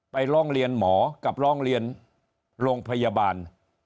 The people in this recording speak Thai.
ร้องเรียนหมอกับร้องเรียนโรงพยาบาล